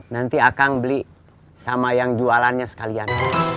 nanti akang beli sama yang jualannya sekalian